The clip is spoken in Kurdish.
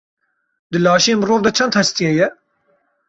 Di laşê mirov de çend hestî heye?